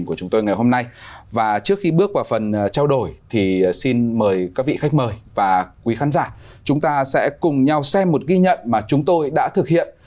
các vị khách mời và quý khán giả chúng ta sẽ cùng nhau xem một ghi nhận mà chúng tôi đã thực hiện